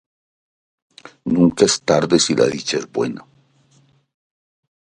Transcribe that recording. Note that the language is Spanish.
Nunca es tarde si la dicha es buena.